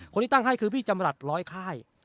คนที่ตั้งให้คือพี่จำรัฐร้อยค่าย